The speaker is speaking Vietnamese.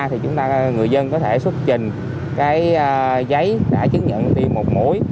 thì người dân có thể xuất trình cái giấy đã chứng nhận đi một mối